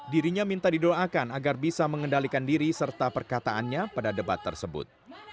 dirinya minta didoakan agar bisa mengendalikan diri serta perkataannya pada debat tersebut